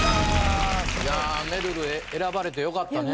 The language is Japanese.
いやめるる選ばれてよかったね。